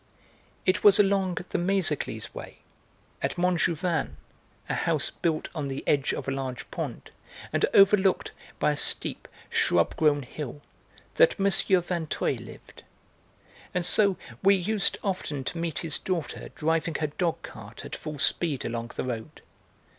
It was along the 'Méséglise way,' at Montjouvain, a house built on the edge of a large pond, and overlooked by a steep, shrub grown hill, that M. Vinteuil lived. And so we used often to meet his daughter driving her dogcart at full speed along the road.